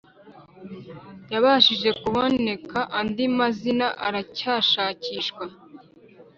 yabashije kuboneka andi mazina aracyashakishwa